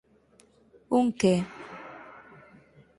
Un que?